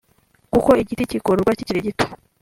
kuko ‘igiti kigororwa kikiri gito’